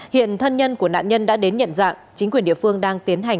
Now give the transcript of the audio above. hiện thân nhân của nạn nhân đã đến nhận dạng chính quyền địa phương đang tiến hành